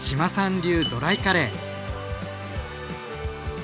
流ドライカレー。